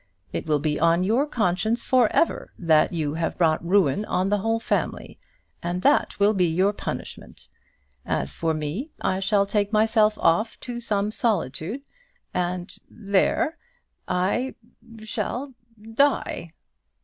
It will be on your conscience for ever that you have brought ruin on the whole family, and that will be your punishment. As for me, I shall take myself off to some solitude, and there I shall die."